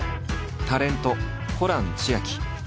タレントホラン千秋。